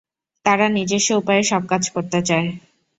তারা নিজস্ব উপায়ে সব কাজ করতে চায়।